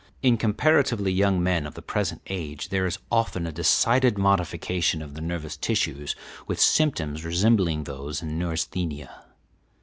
In comparatively young men of the present age there is often a decided modification of the nervous tissues with symptoms resembling those in neurasthenia.